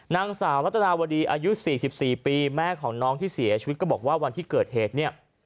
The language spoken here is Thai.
นางสาวรัตนาวดีอายุ๔๔ปีแม่ของน้องที่เสียชีวิตก็บอกว่าวันที่เกิดเหตุเนี่ย